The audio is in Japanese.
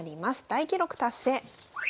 大記録達成。